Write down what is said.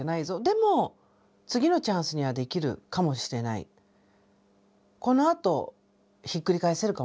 でも次のチャンスにはできるかもしれないこのあとひっくり返せるかもしれないっていうふうに信じる。